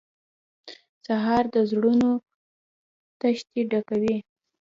سهار د زړونو تشې ډکوي.